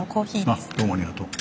あっどうもありがとう。